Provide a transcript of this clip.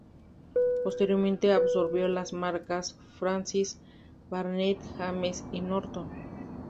Posteriormente absorbió las marcas Francis-Barnett, James y Norton.